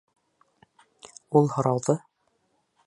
Ул һорауҙы: